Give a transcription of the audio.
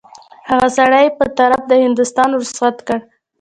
هغه سړی یې په طرف د هندوستان رخصت کړ.